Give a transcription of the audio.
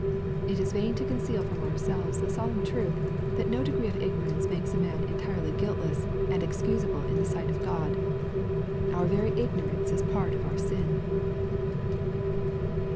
It is vain to conceal from ourselves the solemn truth, that no degree of ignorance makes a man entirely guiltless and ex cusable in the sight of God. Our very ignorance is part of our sin.